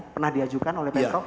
pernah diajukan oleh pemprov